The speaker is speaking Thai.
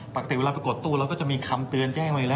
ปกติเวลาไปกดตู้เราก็จะมีคำเตือนแจ้งไว้อยู่แล้ว